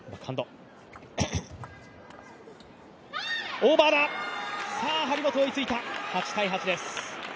オーバーだ、さあ張本、追いついた、８−８です。